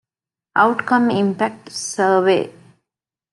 އައުޓްކަމް އިމްޕެކްޓް ސަރވޭ